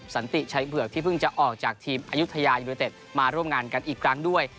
สันติชัยเผือกที่เพิ่งจะออกจากทีมอายุทยายูนิเต็ดมาร่วมงานกันอีกครั้งด้วย